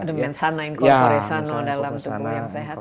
ada mensana in corso re sano dalam tujuan yang sehat